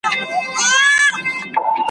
خو زه دي ونه لیدم `